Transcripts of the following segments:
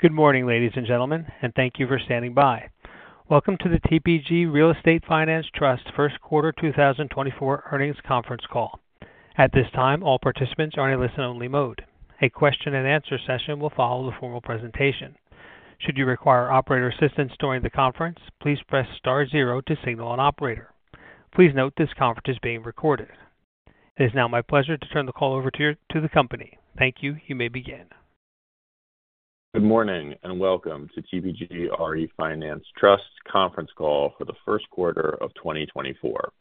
Good morning, ladies and gentlemen, and thank you for standing by. Welcome to the TPG Real Estate Finance Trust First Quarter 2024 Earnings Conference Call. At this time, all participants are in a listen-only mode. A question-and-answer session will follow the formal presentation. Should you require operator assistance during the conference, please press star zero to signal an operator. Please note this conference is being recorded. It is now my pleasure to turn the call over to the company. Thank you. You may begin. Good morning and welcome to TPG RE Finance Trust Conference Call for the first quarter of 2024.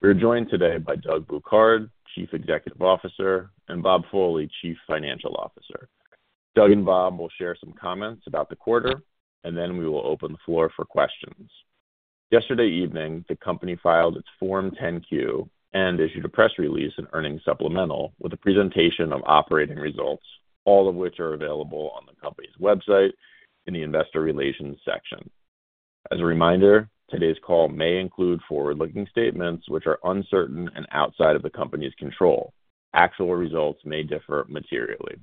We're joined today by Doug Bouquard, Chief Executive Officer, and Bob Foley, Chief Financial Officer. Doug and Bob will share some comments about the quarter, and then we will open the floor for questions. Yesterday evening, the company filed its Form 10-Q and issued a press release and earnings supplemental with a presentation of operating results, all of which are available on the company's website in the Investor Relations section. As a reminder, today's call may include forward-looking statements which are uncertain and outside of the company's control. Actual results may differ materially.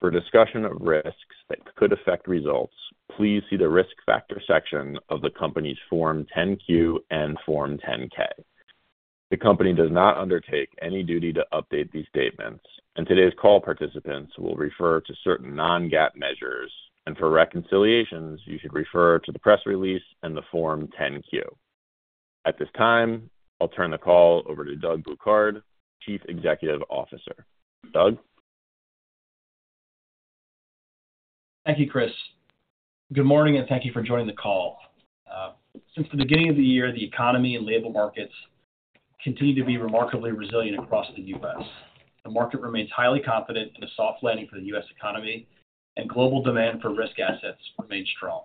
For discussion of risks that could affect results, please see the Risk Factor section of the company's Form 10-Q and Form 10-K. The company does not undertake any duty to update these statements, and today's call participants will refer to certain non-GAAP measures. For reconciliations, you should refer to the press release and the Form 10-Q. At this time, I'll turn the call over to Doug Bouquard, Chief Executive Officer. Doug? Thank you, Chris. Good morning, and thank you for joining the call. Since the beginning of the year, the economy and labor markets continue to be remarkably resilient across the U.S. The market remains highly confident in a soft landing for the U.S. economy, and global demand for risk assets remains strong.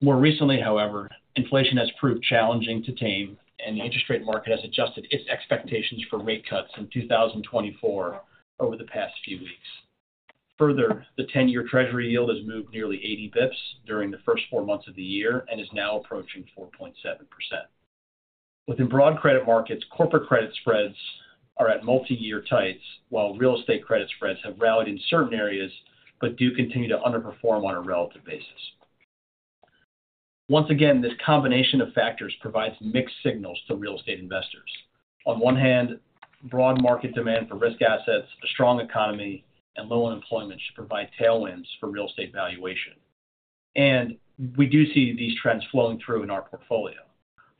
More recently, however, inflation has proved challenging to tame, and the interest rate market has adjusted its expectations for rate cuts in 2024 over the past few weeks. Further, the 10-year Treasury yield has moved nearly 80 bips during the first four months of the year and is now approaching 4.7%. Within broad credit markets, corporate credit spreads are at multi-year tights, while real estate credit spreads have rallied in certain areas but do continue to underperform on a relative basis. Once again, this combination of factors provides mixed signals to real estate investors. On one hand, broad market demand for risk assets, a strong economy, and low unemployment should provide tailwinds for real estate valuation. We do see these trends flowing through in our portfolio.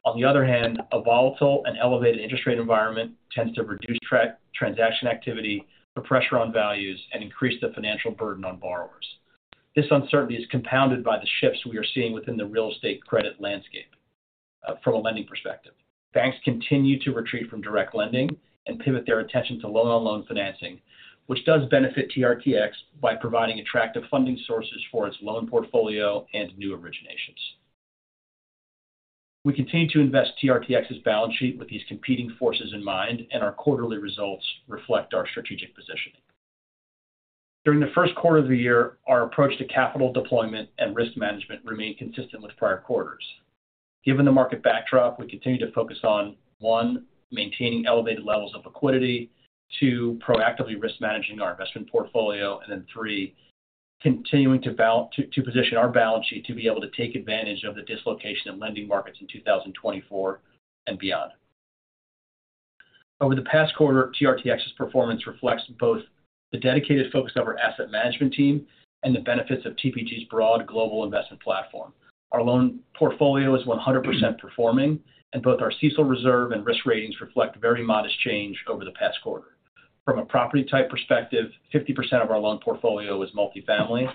On the other hand, a volatile and elevated interest rate environment tends to reduce transaction activity, put pressure on values, and increase the financial burden on borrowers. This uncertainty is compounded by the shifts we are seeing within the real estate credit landscape from a lending perspective. Banks continue to retreat from direct lending and pivot their attention to loan-on-loan financing, which does benefit TRTX by providing attractive funding sources for its loan portfolio and new originations. We continue to invest TRTX's balance sheet with these competing forces in mind, and our quarterly results reflect our strategic positioning. During the first quarter of the year, our approach to capital deployment and risk management remained consistent with prior quarters. Given the market backdrop, we continue to focus on, 1, maintaining elevated levels of liquidity, 2, proactively risk managing our investment portfolio, and then, 3, continuing to position our balance sheet to be able to take advantage of the dislocation in lending markets in 2024 and beyond. Over the past quarter, TRTX's performance reflects both the dedicated focus of our asset management team and the benefits of TPG's broad global investment platform. Our loan portfolio is 100% performing, and both our CECL reserve and risk ratings reflect very modest change over the past quarter. From a property-type perspective, 50% of our loan portfolio is multifamily.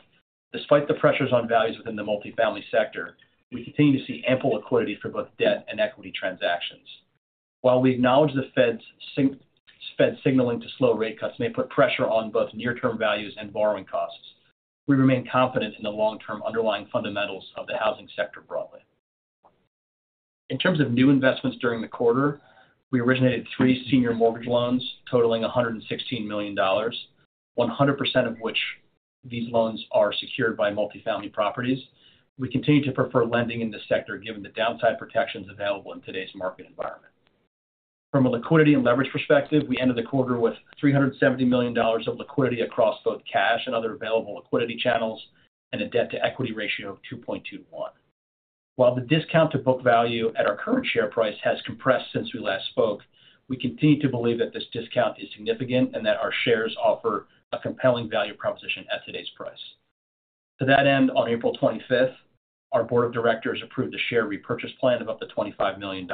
Despite the pressures on values within the multifamily sector, we continue to see ample liquidity for both debt and equity transactions. While we acknowledge the Fed's signaling to slow rate cuts may put pressure on both near-term values and borrowing costs, we remain confident in the long-term underlying fundamentals of the housing sector broadly. In terms of new investments during the quarter, we originated three senior mortgage loans totaling $116 million, 100% of which these loans are secured by multifamily properties. We continue to prefer lending in this sector given the downside protections available in today's market environment. From a liquidity and leverage perspective, we ended the quarter with $370 million of liquidity across both cash and other available liquidity channels and a debt-to-equity ratio of 2.21. While the discount to book value at our current share price has compressed since we last spoke, we continue to believe that this discount is significant and that our shares offer a compelling value proposition at today's price. To that end, on April 25th, our board of directors approved a share repurchase plan of up to $25 million,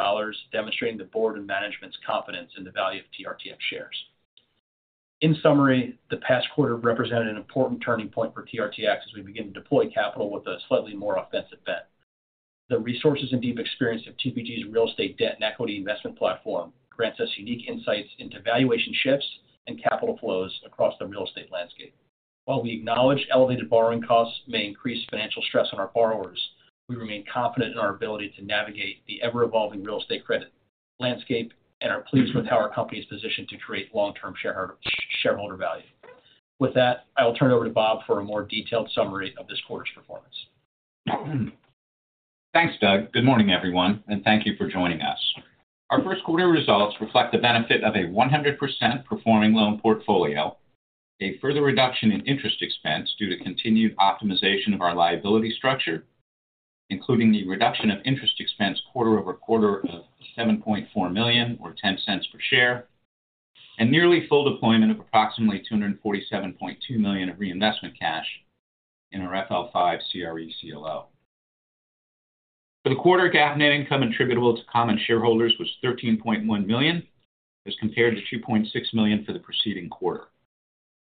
demonstrating the board and management's confidence in the value of TRTX shares. In summary, the past quarter represented an important turning point for TRTX as we began to deploy capital with a slightly more offensive bent. The resources and deep experience of TPG's real estate debt and equity investment platform grants us unique insights into valuation shifts and capital flows across the real estate landscape. While we acknowledge elevated borrowing costs may increase financial stress on our borrowers, we remain confident in our ability to navigate the ever-evolving real estate credit landscape and are pleased with how our company is positioned to create long-term shareholder value. With that, I will turn it over to Bob for a more detailed summary of this quarter's performance. Thanks, Doug. Good morning, everyone, and thank you for joining us. Our first quarter results reflect the benefit of a 100% performing loan portfolio, a further reduction in interest expense due to continued optimization of our liability structure, including the reduction of interest expense quarter-over-quarter of $7.4 million or $0.10 per share, and nearly full deployment of approximately $247.2 million of reinvestment cash in our FL5 CRE CLO. For the quarter, GAAP net income attributable to common shareholders was $13.1 million as compared to $2.6 million for the preceding quarter.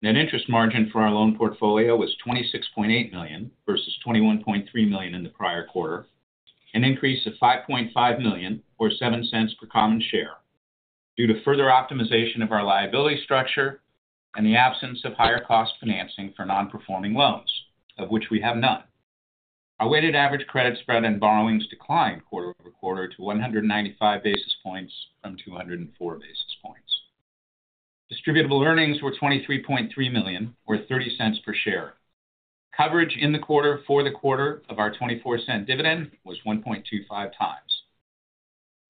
Net interest margin for our loan portfolio was $26.8 million versus $21.3 million in the prior quarter, an increase of $5.5 million or $0.07 per common share due to further optimization of our liability structure and the absence of higher-cost financing for non-performing loans, of which we have none. Our weighted average credit spread and borrowings declined quarter-over-quarter to 195 basis points from 204 basis points. Distributable earnings were $23.3 million or $0.30 per share. Coverage in the quarter for the quarter of our $0.24 dividend was 1.25 times.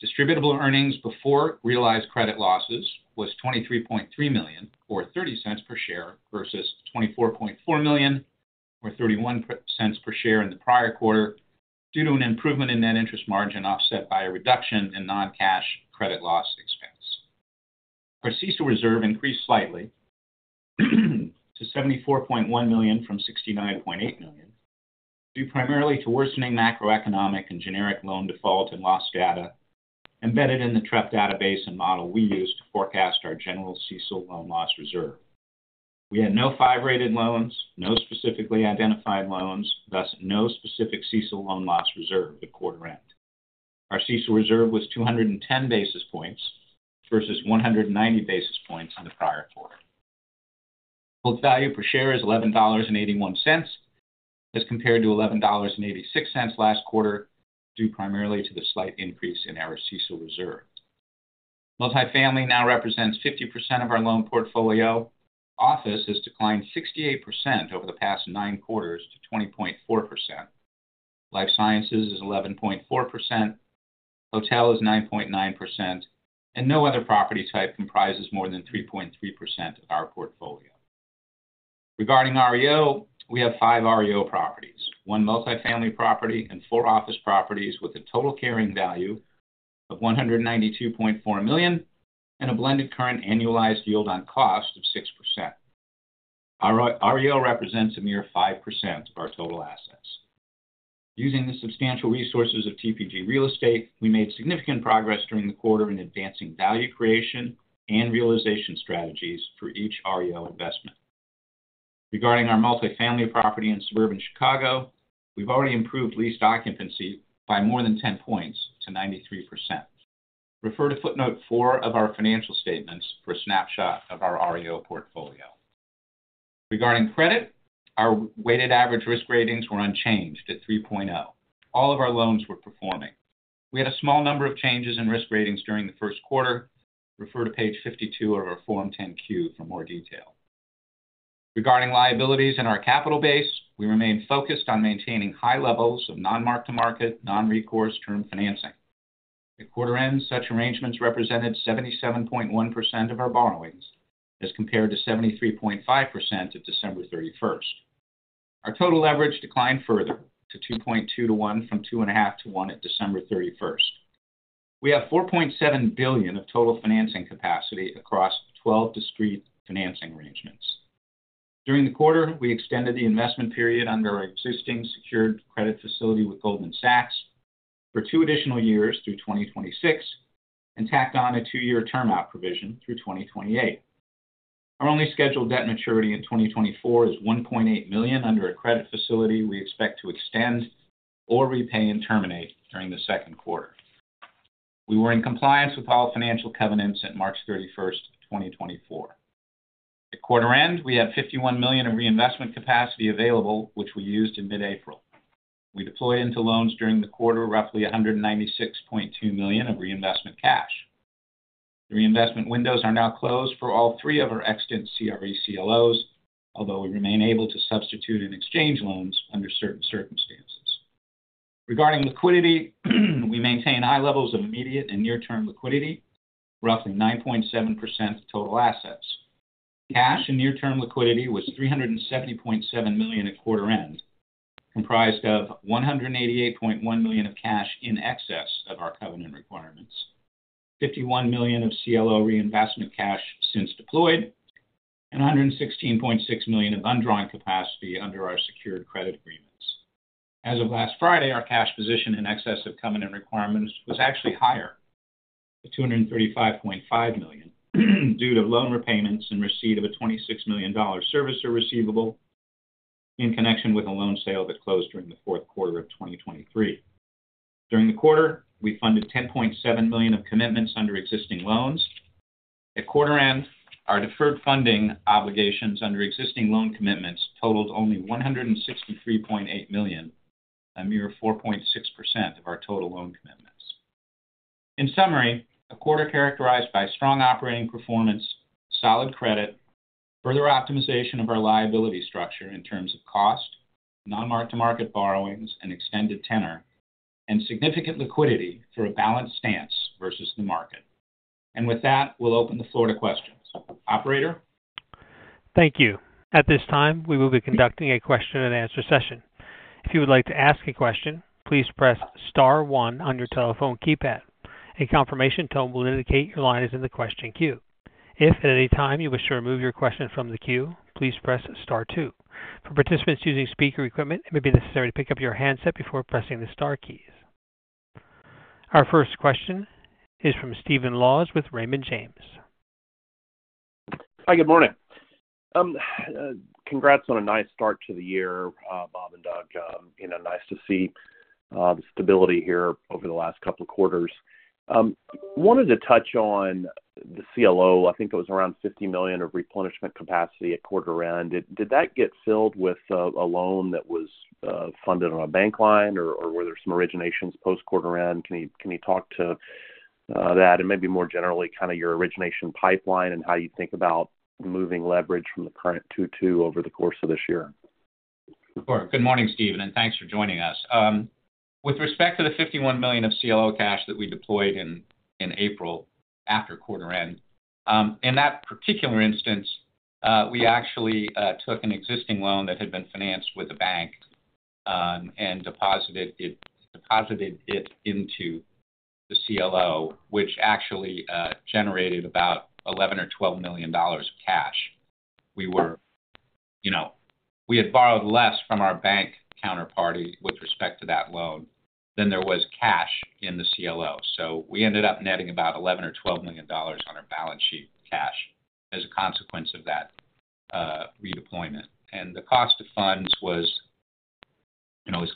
Distributable earnings before realized credit losses was $23.3 million or $0.30 per share versus $24.4 million or $0.31 per share in the prior quarter due to an improvement in net interest margin offset by a reduction in non-cash credit loss expense. Our CECL reserve increased slightly to $74.1 million from $69.8 million due primarily to worsening macroeconomic and generic loan default and loss data embedded in the Trepp Database and model we use to forecast our general CECL loan loss reserve. We had no five-rated loans, no specifically identified loans, thus no specific CECL loan loss reserve at quarter end. Our CECL reserve was 210 basis points versus 190 basis points in the prior quarter. Book value per share is $11.81 as compared to $11.86 last quarter due primarily to the slight increase in our CECL reserve. Multifamily now represents 50% of our loan portfolio. Office has declined 68% over the past nine quarters to 20.4%. Life Sciences is 11.4%. Hotel is 9.9%. No other property type comprises more than 3.3% of our portfolio. Regarding REO, we have 5 REO properties, 1 multifamily property, and 4 office properties with a total carrying value of $192.4 million and a blended current annualized yield on cost of 6%. REO represents a mere 5% of our total assets. Using the substantial resources of TPG Real Estate, we made significant progress during the quarter in advancing value creation and realization strategies for each REO investment. Regarding our multifamily property in suburban Chicago, we've already improved lease occupancy by more than 10 points to 93%. Refer to footnote four of our financial statements for a snapshot of our REO portfolio. Regarding credit, our weighted average risk ratings were unchanged at 3.0. All of our loans were performing. We had a small number of changes in risk ratings during the first quarter. Refer to page 52 of our Form 10-Q for more detail. Regarding liabilities and our capital base, we remained focused on maintaining high levels of non-mark-to-market, non-recourse term financing. At quarter end, such arrangements represented 77.1% of our borrowings as compared to 73.5% of December 31st. Our total leverage declined further to 2.2 to 1 from 2.5 to 1 at December 31st. We have $4.7 billion of total financing capacity across 12 discrete financing arrangements. During the quarter, we extended the investment period under our existing secured credit facility with Goldman Sachs for two additional years through 2026 and tacked on a two-year term-out provision through 2028. Our only scheduled debt maturity in 2024 is $1.8 million under a credit facility we expect to extend or repay and terminate during the second quarter. We were in compliance with all financial covenants at March 31st, 2024. At quarter end, we had $51 million of reinvestment capacity available, which we used in mid-April. We deployed into loans during the quarter roughly $196.2 million of reinvestment cash. The reinvestment windows are now closed for all three of our extant CRE CLOs, although we remain able to substitute and exchange loans under certain circumstances. Regarding liquidity, we maintain high levels of immediate and near-term liquidity, roughly 9.7% of total assets. Cash and near-term liquidity was $370.7 million at quarter end, comprised of $188.1 million of cash in excess of our covenant requirements, $51 million of CLO reinvestment cash since deployed, and $116.6 million of undrawn capacity under our secured credit agreements. As of last Friday, our cash position in excess of covenant requirements was actually higher at $235.5 million due to loan repayments and receipt of a $26 million servicer receivable in connection with a loan sale that closed during the fourth quarter of 2023. During the quarter, we funded $10.7 million of commitments under existing loans. At quarter end, our deferred funding obligations under existing loan commitments totaled only $163.8 million, a mere 4.6% of our total loan commitments. In summary, a quarter characterized by strong operating performance, solid credit, further optimization of our liability structure in terms of cost, non-mark-to-market borrowings, and extended tenor, and significant liquidity for a balanced stance versus the market. With that, we'll open the floor to questions. Operator. Thank you. At this time, we will be conducting a question-and-answer session. If you would like to ask a question, please press star one on your telephone keypad. A confirmation tone will indicate your line is in the question queue. If at any time you wish to remove your question from the queue, please press star two. For participants using speaker equipment, it may be necessary to pick up your handset before pressing the star keys. Our first question is from Stephen Laws with Raymond James. Hi. Good morning. Congrats on a nice start to the year, Bob and Doug. Nice to see the stability here over the last couple of quarters. Wanted to touch on the CLO. I think it was around $50 million of replenishment capacity at quarter end. Did that get filled with a loan that was funded on a bank line, or were there some originations post-quarter end? Can you talk to that and maybe more generally kind of your origination pipeline and how you think about moving leverage from the current two-to over the course of this year? Sure. Good morning, Stephen, and thanks for joining us. With respect to the $51 million of CLO cash that we deployed in April after quarter end, in that particular instance, we actually took an existing loan that had been financed with a bank and deposited it into the CLO, which actually generated about $11 million or $12 million of cash. We had borrowed less from our bank counterparty with respect to that loan than there was cash in the CLO. So we ended up netting about $11 million or $12 million on our balance sheet cash as a consequence of that redeployment. And the cost of funds was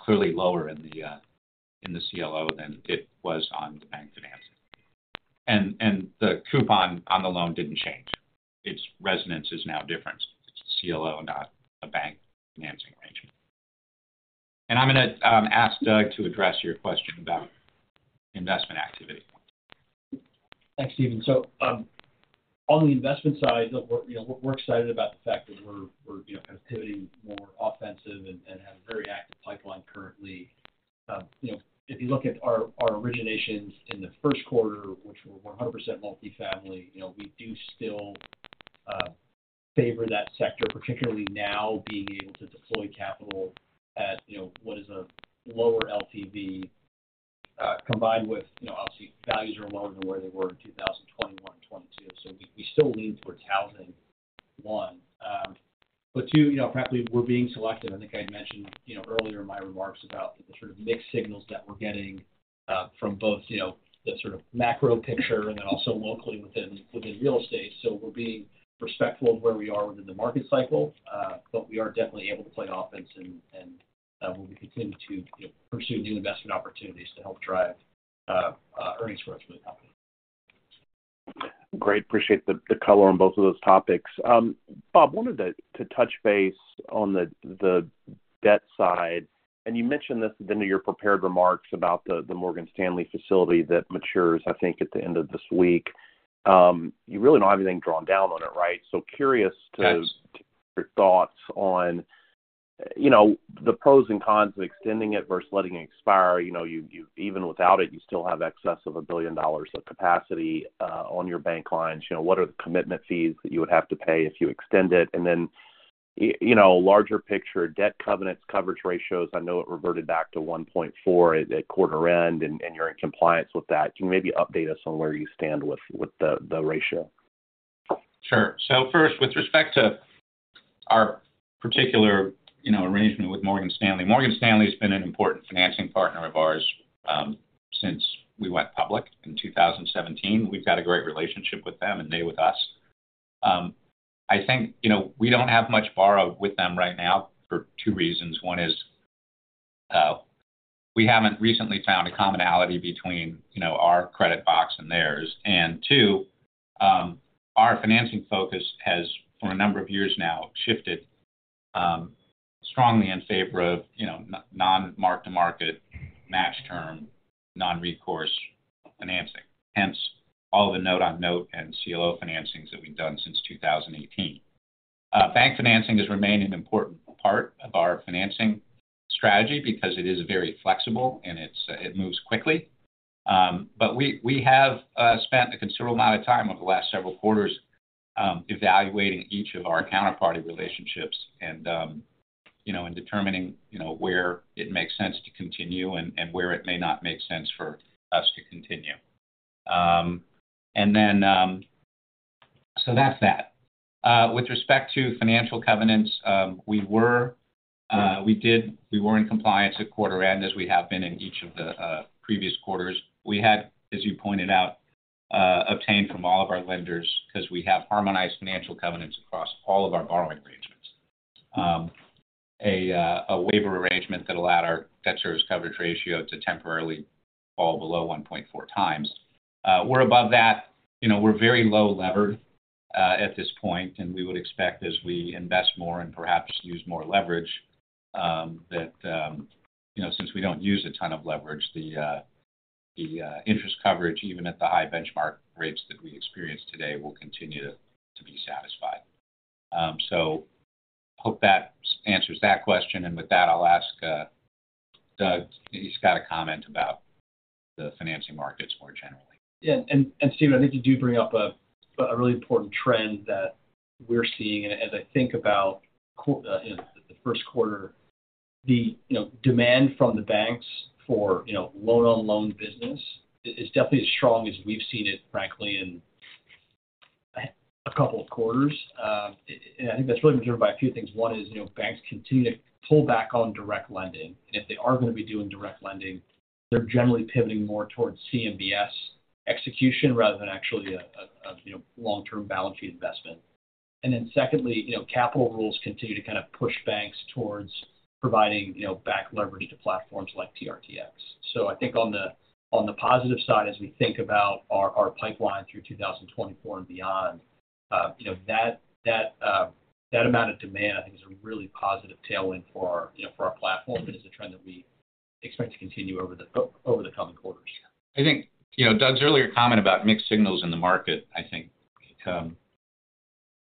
clearly lower in the CLO than it was on the bank financing. And the coupon on the loan didn't change. Its recourse is now different. It's the CLO, not a bank financing arrangement. I'm going to ask Doug to address your question about investment activity. Thanks, Stephen. So on the investment side, we're excited about the fact that we're kind of pivoting more offensive and have a very active pipeline currently. If you look at our originations in the first quarter, which were 100% multifamily, we do still favor that sector, particularly now being able to deploy capital at what is a lower LTV combined with obviously, values are lower than where they were in 2021 and 2022. So we still lean towards housing, one. But two, frankly, we're being selective. I think I had mentioned earlier in my remarks about the sort of mixed signals that we're getting from both the sort of macro picture and then also locally within real estate. We're being respectful of where we are within the market cycle, but we are definitely able to play offense and will be continuing to pursue new investment opportunities to help drive earnings growth for the company. Great. Appreciate the color on both of those topics. Bob, wanted to touch base on the debt side. And you mentioned this at the end of your prepared remarks about the Morgan Stanley facility that matures, I think, at the end of this week. You really don't have anything drawn down on it, right? So curious to hear your thoughts on the pros and cons of extending it versus letting it expire. Even without it, you still have excess of $1 billion of capacity on your bank lines. What are the commitment fees that you would have to pay if you extend it? And then larger picture, debt covenants, coverage ratios. I know it reverted back to 1.4 at quarter end, and you're in compliance with that. Can you maybe update us on where you stand with the ratio? Sure. So first, with respect to our particular arrangement with Morgan Stanley, Morgan Stanley has been an important financing partner of ours since we went public in 2017. We've got a great relationship with them and they with us. I think we don't have much borrowed with them right now for two reasons. One is we haven't recently found a commonality between our credit box and theirs. And two, our financing focus has, for a number of years now, shifted strongly in favor of non-mark-to-market, match-term, non-recourse financing, hence all the note-on-note and CLO financings that we've done since 2018. Bank financing has remained an important part of our financing strategy because it is very flexible and it moves quickly. But we have spent a considerable amount of time over the last several quarters evaluating each of our counterparty relationships and determining where it makes sense to continue and where it may not make sense for us to continue. So that's that. With respect to financial covenants, we were in compliance at quarter end as we have been in each of the previous quarters. We had, as you pointed out, obtained from all of our lenders because we have harmonized financial covenants across all of our borrowing arrangements, a waiver arrangement that allowed our Debt Service Coverage Ratio to temporarily fall below 1.4 times. We're above that. We're very low-levered at this point. We would expect, as we invest more and perhaps use more leverage, that since we don't use a ton of leverage, the interest coverage, even at the high benchmark rates that we experience today, will continue to be satisfied. So hope that answers that question. With that, I'll ask Doug. He's got a comment about the financing markets more generally. Yeah. And Stephen, I think you do bring up a really important trend that we're seeing. And as I think about the first quarter, the demand from the banks for loan-on-loan business is definitely as strong as we've seen it, frankly, in a couple of quarters. And I think that's really determined by a few things. One is banks continue to pull back on direct lending. And if they are going to be doing direct lending, they're generally pivoting more towards CMBS execution rather than actually a long-term balance sheet investment. And then secondly, capital rules continue to kind of push banks towards providing back leverage to platforms like TRTX. I think on the positive side, as we think about our pipeline through 2024 and beyond, that amount of demand, I think, is a really positive tailwind for our platform and is a trend that we expect to continue over the coming quarters. I think Doug's earlier comment about mixed signals in the market, I think,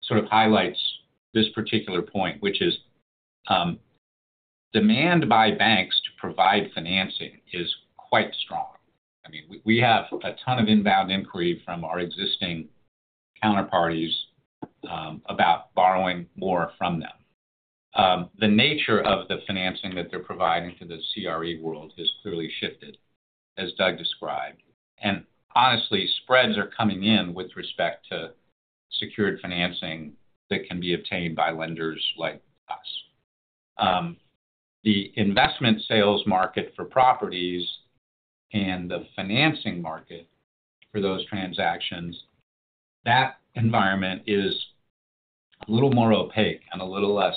sort of highlights this particular point, which is demand by banks to provide financing is quite strong. I mean, we have a ton of inbound inquiry from our existing counterparties about borrowing more from them. The nature of the financing that they're providing to the CRE world has clearly shifted, as Doug described. And honestly, spreads are coming in with respect to secured financing that can be obtained by lenders like us. The investment sales market for properties and the financing market for those transactions, that environment is a little more opaque and a little less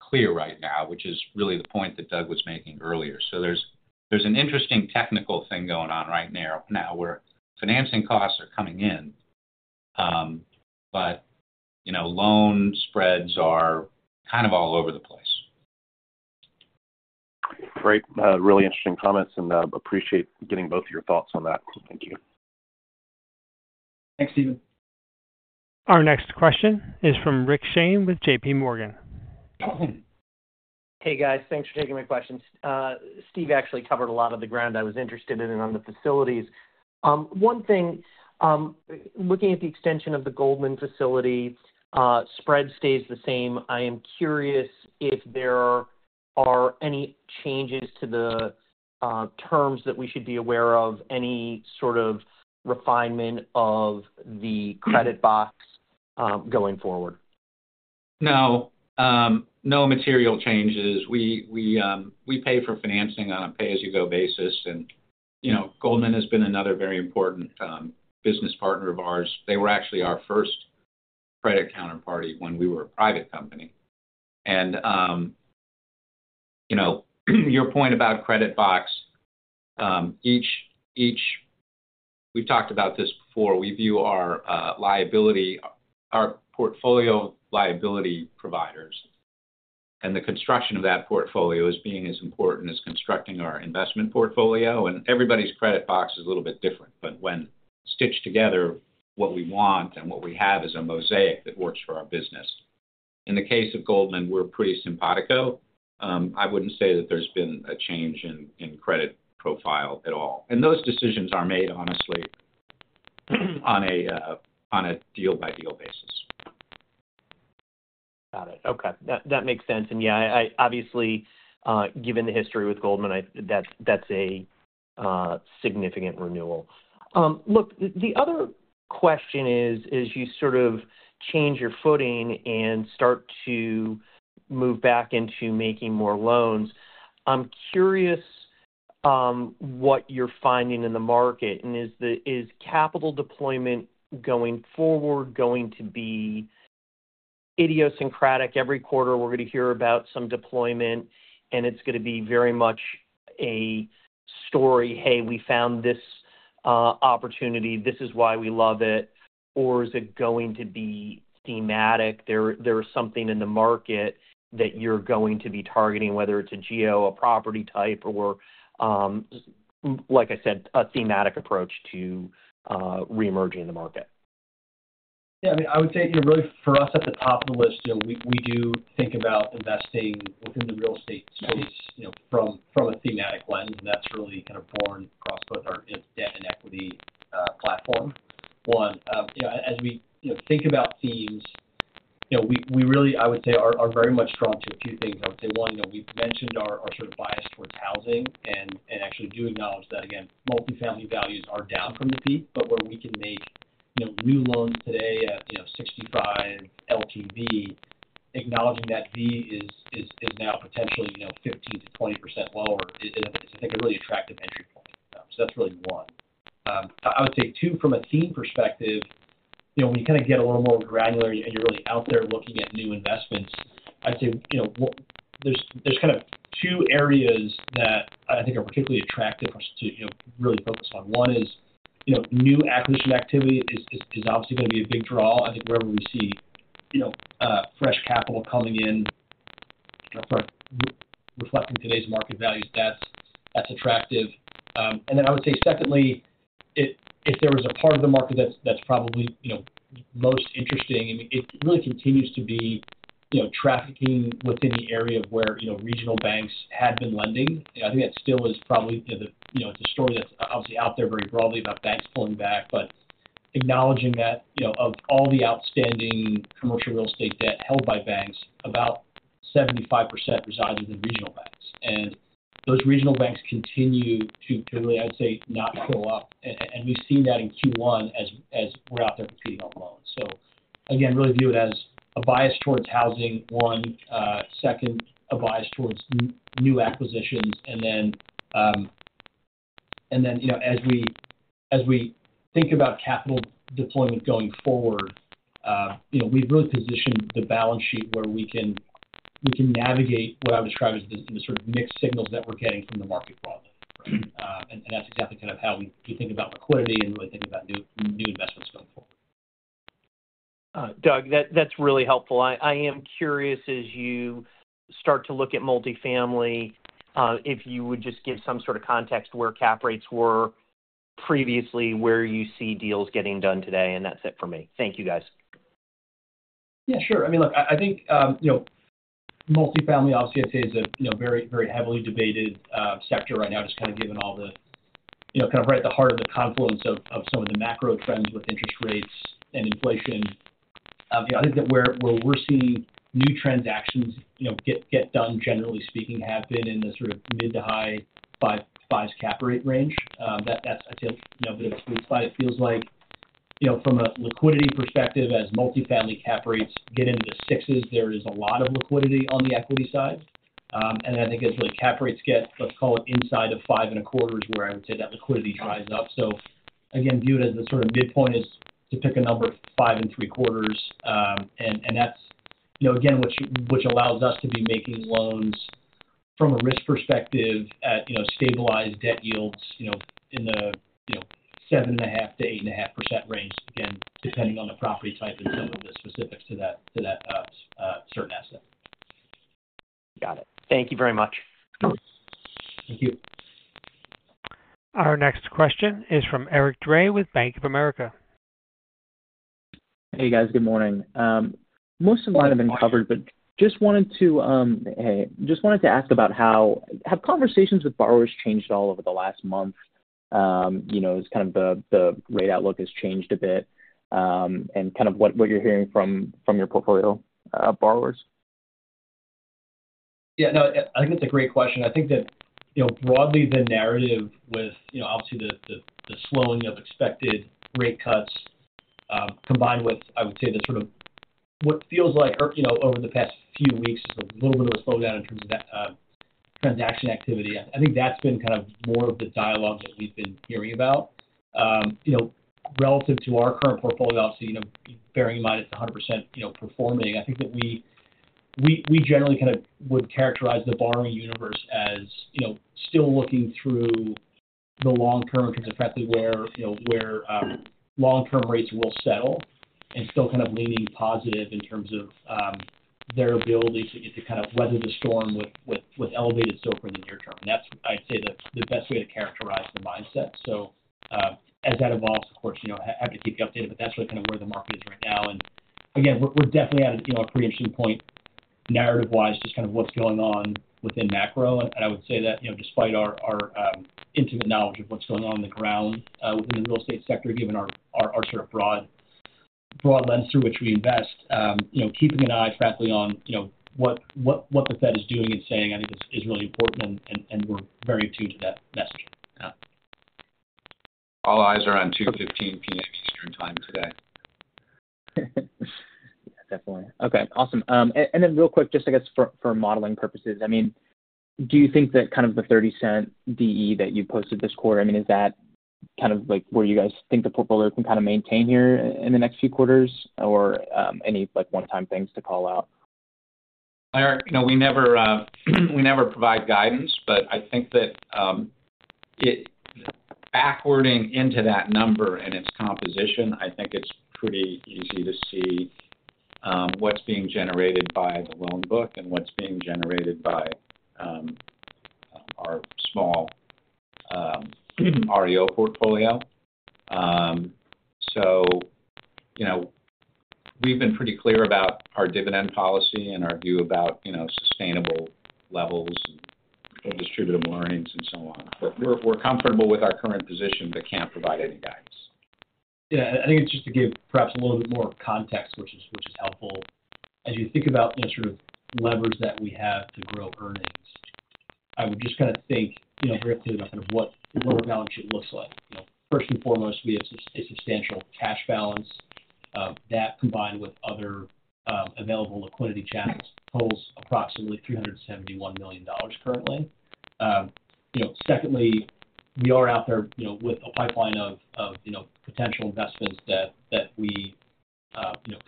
clear right now, which is really the point that Doug was making earlier. So there's an interesting technical thing going on right now where financing costs are coming in, but loan spreads are kind of all over the place. Great. Really interesting comments. Appreciate getting both of your thoughts on that. Thank you. Thanks, Stephen. Our next question is from Rick Shane with J.P. Morgan. Hey, guys. Thanks for taking my questions. Steve actually covered a lot of the ground I was interested in on the facilities. One thing, looking at the extension of the Goldman facility, spread stays the same. I am curious if there are any changes to the terms that we should be aware of, any sort of refinement of the credit box going forward. No. No material changes. We pay for financing on a pay-as-you-go basis. And Goldman has been another very important business partner of ours. They were actually our first credit counterparty when we were a private company. And your point about credit box, we've talked about this before. We view our portfolio liability providers, and the construction of that portfolio is being as important as constructing our investment portfolio. And everybody's credit box is a little bit different, but when stitched together, what we want and what we have is a mosaic that works for our business. In the case of Goldman, we're pretty simpatico. I wouldn't say that there's been a change in credit profile at all. And those decisions are made, honestly, on a deal-by-deal basis. Got it. Okay. That makes sense. And yeah, obviously, given the history with Goldman, that's a significant renewal. Look, the other question is, as you sort of change your footing and start to move back into making more loans, I'm curious what you're finding in the market. And is capital deployment going forward going to be idiosyncratic? Every quarter, we're going to hear about some deployment, and it's going to be very much a story, "Hey, we found this opportunity. This is why we love it." Or is it going to be thematic? There is something in the market that you're going to be targeting, whether it's a geo, a property type, or, like I said, a thematic approach to reemerging the market? Yeah. I mean, I would say really for us at the top of the list, we do think about investing within the real estate space from a thematic lens. And that's really kind of born across both our debt and equity platform, one. As we think about themes, we really, I would say, are very much drawn to a few things. I would say, one, we've mentioned our sort of bias towards housing and actually do acknowledge that, again, multifamily values are down from the peak. But where we can make new loans today at 65 LTV, acknowledging that V is now potentially 15%-20% lower, is, I think, a really attractive entry point. So that's really one. I would say, two, from a theme perspective, when you kind of get a little more granular and you're really out there looking at new investments, I'd say there's kind of two areas that I think are particularly attractive to really focus on. One is new acquisition activity is obviously going to be a big draw. I think wherever we see fresh capital coming in reflecting today's market values, that's attractive. And then I would say, secondly, if there was a part of the market that's probably most interesting, I mean, it really continues to be trafficking within the area of where regional banks had been lending. I think that still is probably it's a story that's obviously out there very broadly about banks pulling back. But acknowledging that of all the outstanding commercial real estate debt held by banks, about 75% resides within regional banks. Those regional banks continue to really, I'd say, not fill up. And we've seen that in Q1 as we're out there competing on loans. So again, really view it as a bias towards housing, one. Second, a bias towards new acquisitions. And then as we think about capital deployment going forward, we've really positioned the balance sheet where we can navigate what I would describe as the sort of mixed signals that we're getting from the market broadly. And that's exactly kind of how we think about liquidity and really think about new investments going forward. Doug, that's really helpful. I am curious, as you start to look at multifamily, if you would just give some sort of context where cap rates were previously, where you see deals getting done today. And that's it for me. Thank you, guys. Yeah, sure. I mean, look, I think multifamily, obviously, I'd say, is a very, very heavily debated sector right now, just kind of given all the kind of right at the heart of the confluence of some of the macro trends with interest rates and inflation. I think that where we're seeing new transactions get done, generally speaking, have been in the sort of mid- to high-5 to 5's cap rate range. That's, I'd say, a bit of a sweet spot. It feels like from a liquidity perspective, as multifamily cap rates get into the 6s, there is a lot of liquidity on the equity side. And I think as really cap rates get, let's call it, inside of 5.25 is where I would say that liquidity dries up. So again, view it as the sort of midpoint is to pick a number, 5.75. And that's, again, what allows us to be making loans from a risk perspective at stabilized debt yields in the 7.5%-8.5% range, again, depending on the property type and some of the specifics to that certain asset. Got it. Thank you very much. Thank you. Our next question is from Eric Dray with Bank of America. Hey, guys. Good morning. Most of mine have been covered, but just wanted to ask about how have conversations with borrowers changed at all over the last month? Has kind of the rate outlook changed a bit? And kind of what you're hearing from your portfolio borrowers? Yeah. No, I think that's a great question. I think that broadly, the narrative with, obviously, the slowing of expected rate cuts combined with, I would say, the sort of what feels like over the past few weeks, just a little bit of a slowdown in terms of transaction activity, I think that's been kind of more of the dialogue that we've been hearing about. Relative to our current portfolio, obviously, bearing in mind it's 100% performing, I think that we generally kind of would characterize the borrowing universe as still looking through the long-term in terms of, frankly, where long-term rates will settle and still kind of leaning positive in terms of their ability to kind of weather the storm with elevated stops for the near term. And that's, I'd say, the best way to characterize the mindset. So as that evolves, of course, happy to keep you updated. But that's really kind of where the market is right now. And again, we're definitely at a pretty interesting point narrative-wise, just kind of what's going on within macro. And I would say that despite our intimate knowledge of what's going on on the ground within the real estate sector, given our sort of broad lens through which we invest, keeping an eye, frankly, on what the Fed is doing and saying, I think, is really important. And we're very attuned to that message. Yeah. All eyes are on 2:15 P.M. Eastern Time today. Yeah, definitely. Okay. Awesome. And then real quick, just I guess for modeling purposes, I mean, do you think that kind of the $0.30 DE that you posted this quarter, I mean, is that kind of where you guys think the portfolio can kind of maintain here in the next few quarters or any one-time things to call out? Hi Eric. We never provide guidance, but I think that backwarding into that number and its composition, I think it's pretty easy to see what's being generated by the loan book and what's being generated by our small REO portfolio. So we've been pretty clear about our dividend policy and our view about sustainable levels and distributable earnings and so on. But we're comfortable with our current position but can't provide any guidance. Yeah. I think it's just to give perhaps a little bit more context, which is helpful, as you think about sort of levers that we have to grow earnings. I would just kind of think very clearly about kind of what the loan balance sheet looks like. First and foremost, we have a substantial cash balance that, combined with other available liquidity channels, totals approximately $371 million currently. Secondly, we are out there with a pipeline of potential investments that we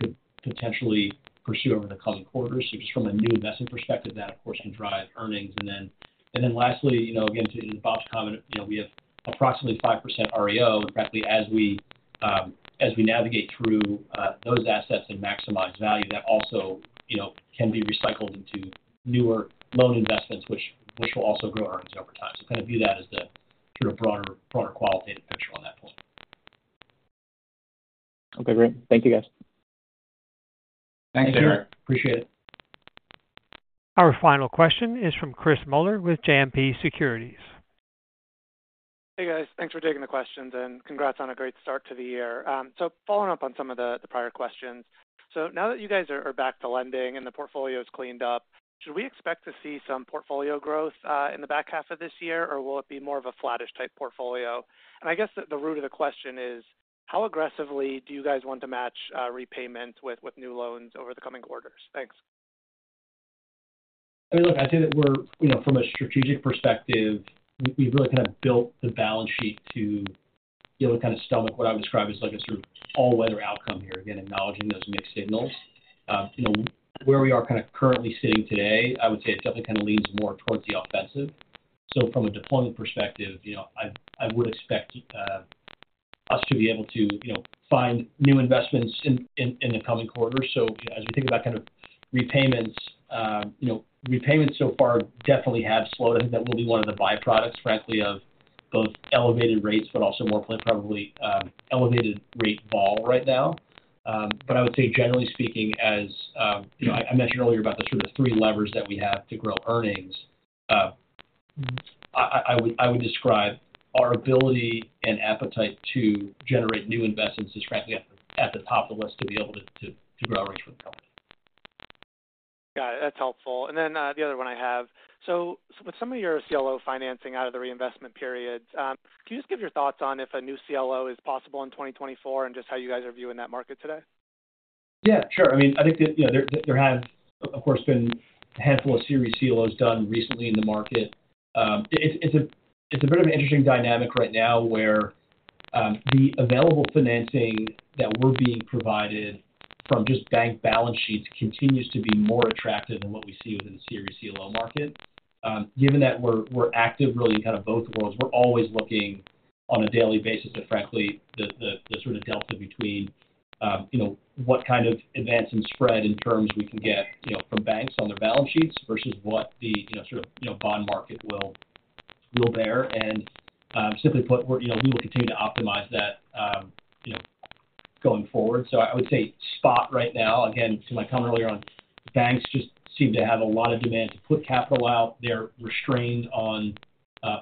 could potentially pursue over the coming quarters. So just from a new investment perspective, that, of course, can drive earnings. And then lastly, again, to Bob's comment, we have approximately 5% REO. And frankly, as we navigate through those assets and maximize value, that also can be recycled into newer loan investments, which will also grow earnings over time. So kind of view that as the sort of broader qualitative picture on that point. Okay. Great. Thank you, guys. Thank you, Eric. Appreciate it. Our final question is from Chris Muller with JMP Securities. Hey, guys. Thanks for taking the questions, and congrats on a great start to the year. So following up on some of the prior questions, so now that you guys are back to lending and the portfolio is cleaned up, should we expect to see some portfolio growth in the back half of this year, or will it be more of a flattish-type portfolio? And I guess the root of the question is, how aggressively do you guys want to match repayment with new loans over the coming quarters? Thanks. I mean, look, I'd say that from a strategic perspective, we've really kind of built the balance sheet to be able to kind of stomach what I would describe as a sort of all-weather outcome here, again, acknowledging those mixed signals. Where we are kind of currently sitting today, I would say it definitely kind of leans more towards the offensive. So from a deployment perspective, I would expect us to be able to find new investments in the coming quarters. So as we think about kind of repayments, repayments so far definitely have slowed. I think that will be one of the byproducts, frankly, of both elevated rates but also more probably elevated-rate vol right now. But I would say, generally speaking, as I mentioned earlier about the sort of three levers that we have to grow earnings, I would describe our ability and appetite to generate new investments is, frankly, at the top of the list to be able to grow earnings for the company. Got it. That's helpful. And then the other one I have, so with some of your CLO financing out of the reinvestment periods, can you just give your thoughts on if a new CLO is possible in 2024 and just how you guys are viewing that market today? Yeah, sure. I mean, I think that there have, of course, been a handful of CRE CLOs done recently in the market. It's a bit of an interesting dynamic right now where the available financing that we're being provided from just bank balance sheets continues to be more attractive than what we see within the CRE CLO market. Given that we're active really in kind of both worlds, we're always looking on a daily basis to, frankly, the sort of delta between what kind of advance and spread in terms we can get from banks on their balance sheets versus what the sort of bond market will bear. And simply put, we will continue to optimize that going forward. So I would say spot right now, again, to my comment earlier on, banks just seem to have a lot of demand to put capital out. They're restrained on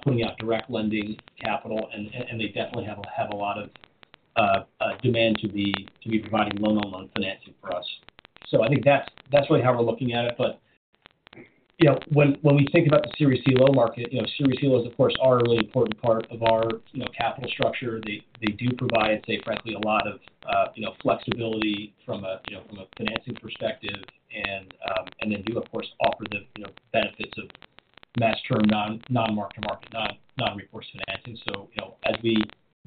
putting out direct lending capital, and they definitely have a lot of demand to be providing loan-on-loan financing for us. So I think that's really how we're looking at it. But when we think about the securitized CLO market, securitized CLOs, of course, are a really important part of our capital structure. They do provide, say, frankly, a lot of flexibility from a financing perspective and then do, of course, offer the benefits of match-term, non-mark-to-market, non-recourse financing. So as we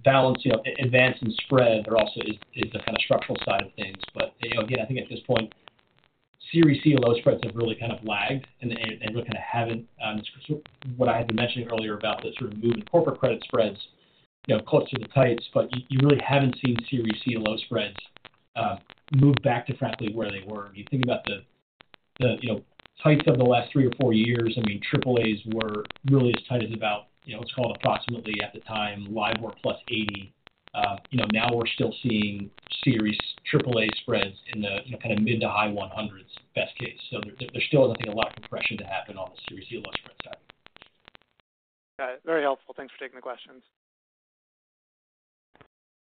balance advance and spread, there also is the kind of structural side of things. But again, I think at this point, CRE CLO spreads have really kind of lagged and really kind of haven't what I had been mentioning earlier about the sort of move in corporate credit spreads close to the tights, but you really haven't seen CRE CLO spreads move back to, frankly, where they were. If you think about the tights of the last three or four years, I mean, AAAs were really as tight as about, let's call it approximately, at the time, LIBOR plus 80. Now we're still seeing CRE AAA spreads in the kind of mid- to high 100s, best case. So there still is, I think, a lot of compression to happen on the CRE CLO spread side. Got it. Very helpful. Thanks for taking the questions.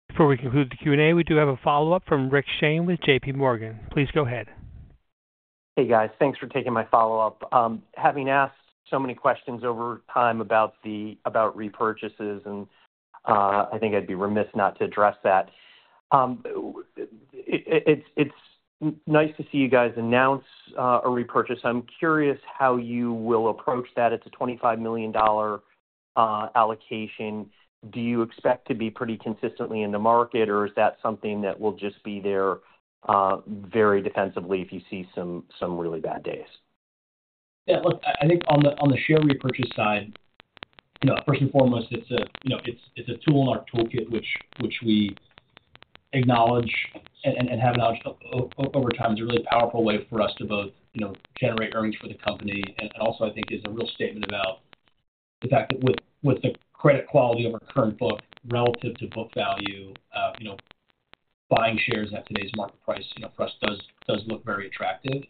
Before we conclude the Q&A, we do have a follow-up from Rick Shane with J.P. Morgan. Please go ahead. Hey, guys. Thanks for taking my follow-up. Having asked so many questions over time about repurchases, and I think I'd be remiss not to address that. It's nice to see you guys announce a repurchase. I'm curious how you will approach that. It's a $25 million allocation. Do you expect to be pretty consistently in the market, or is that something that will just be there very defensively if you see some really bad days? Yeah. Look, I think on the share repurchase side, first and foremost, it's a tool in our toolkit, which we acknowledge and have acknowledged over time as a really powerful way for us to both generate earnings for the company and also, I think, is a real statement about the fact that with the credit quality of our current book relative to book value, buying shares at today's market price for us does look very attractive.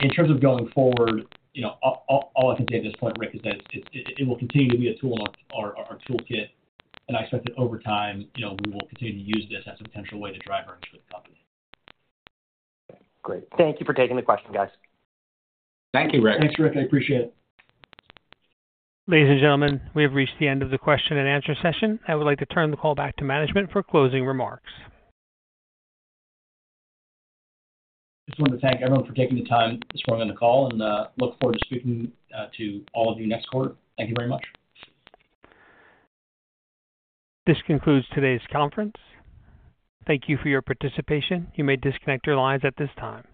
In terms of going forward, all I can say at this point, Rick, is that it will continue to be a tool in our toolkit, and I expect that over time, we will continue to use this as a potential way to drive earnings for the company. Okay. Great. Thank you for taking the question, guys. Thank you, Rick. Thanks, Rick. I appreciate it. Ladies and gentlemen, we have reached the end of the question and answer session. I would like to turn the call back to management for closing remarks. Just wanted to thank everyone for taking the time this morning on the call and look forward to speaking to all of you next quarter. Thank you very much. This concludes today's conference. Thank you for your participation. You may disconnect your lines at this time.